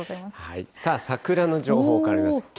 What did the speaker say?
さあ、桜の情報から見ます。